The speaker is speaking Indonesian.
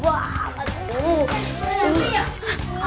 aduh ada reman nih